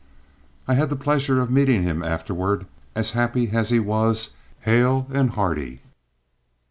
I had the pleasure of meeting him afterward, as happy as he was hale and hearty.